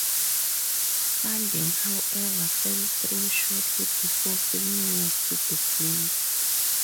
Funding however fell through shortly before filming was to begin.